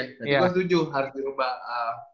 jadi gue setuju harus dirubah